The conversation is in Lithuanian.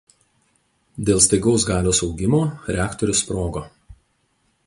Dėl staigaus galios augimo reaktorius sprogo.